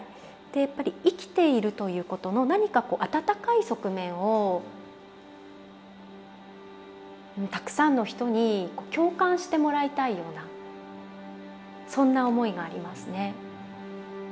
で生きているということの何か温かい側面をたくさんの人に共感してもらいたいようなそんな思いがありますね。